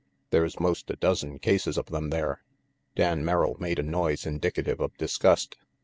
There's most a dozen cases of them there Dan Merrill made a noise indicative of disgust.